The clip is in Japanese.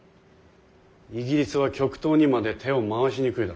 イギリスは極東にまで手を回しにくいだろうな。